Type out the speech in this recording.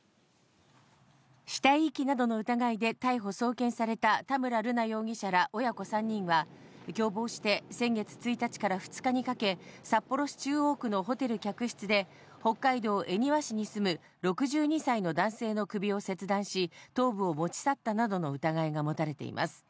死体遺棄などの疑いで逮捕・送検された田村瑠奈容疑者ら親子３人は、共謀して先月１日から２日にかけ、札幌市中央区のホテル客室で、北海道恵庭市に住む６２歳の男性の首を切断し、頭部を持ち去ったなどの疑いが持たれています。